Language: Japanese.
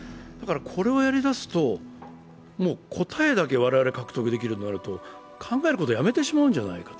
これをやり出すと答えだけ我々、獲得できるとなると、考えることをやめてしまうんじゃないか。